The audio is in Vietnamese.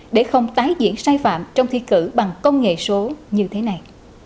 để không tái diễn sai phạm trong thi cử bằng công nghệ số như thế này